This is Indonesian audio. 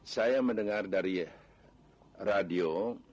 saya mendengar dari radio